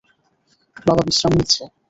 বাবা বিশ্রাম নিচ্ছে!